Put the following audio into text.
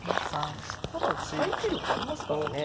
ただ耐久力ありますからね。